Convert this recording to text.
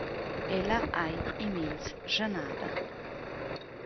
Ella ei immens schenada.